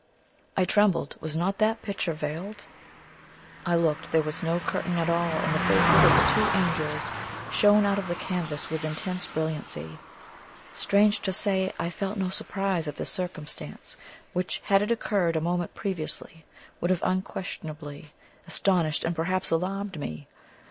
I trembled. Was not that picture veiled? I looked there was no curtain at all, and the faces of the two Angels shone out of the canvas with intense brilliancy! Strange to say, I felt no surprise at this circumstance, which, had it occurred a moment previously, would have unquestionably astonished and perhaps alarmed me.